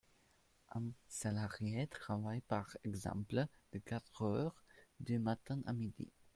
Un salarié travaille par exemple de quatre heures du matin à midi.